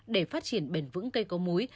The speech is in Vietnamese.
để phát triển bền vững cây có múi